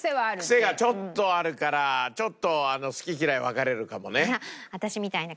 クセがちょっとあるからちょっと好き嫌い分かれるかもね。